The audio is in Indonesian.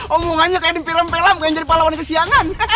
omongannya kayak di film film pengen jadi pahlawan kesiangan